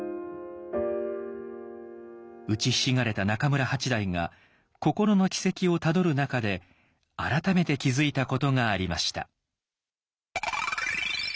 うちひしがれた中村八大が心の軌跡をたどる中で改めて気付いたことがありました。